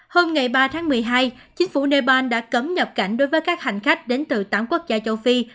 hôm ngày ba tháng một mươi hai chính phủ nepal đã cấm nhập cảnh đối với các hành khách đến từ tám quốc gia châu phi